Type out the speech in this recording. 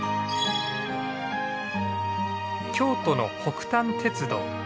京都の北丹鉄道。